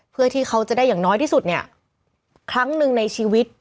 เพื่อที่เขาจะได้อย่างน้อยที่สุดเนี่ยครั้งหนึ่งในชีวิต